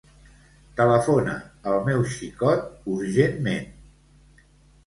Telefona al meu xicot urgentment.